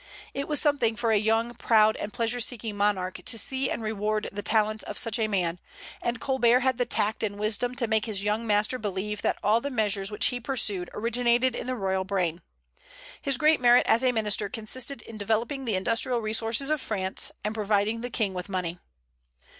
It was something for a young, proud, and pleasure seeking monarch to see and reward the talents of such a man; and Colbert had the tact and wisdom to make his young master believe that all the measures which he pursued originated in the royal brain. His great merit as a minister consisted in developing the industrial resources of France and providing the King with money.